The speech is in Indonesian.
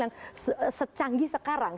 nah itu memang secanggih sekarang